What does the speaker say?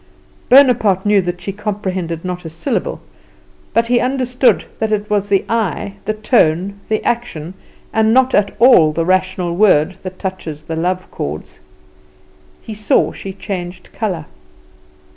Bonaparte knew that she comprehended not a syllable; but he understood that it is the eye, the tone, the action, and not at all the rational word, that touches the love chords. He saw she changed colour.